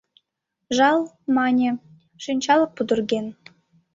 Жал, мане, шинчалык пудырген.